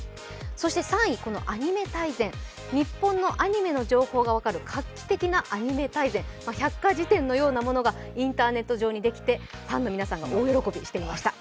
そして３位、アニメ大全日本のアニメの情報が分かる画期的なアニメ大全百科事典のようなものがインターネット上にできて、ファンの皆さんが大喜びしていました。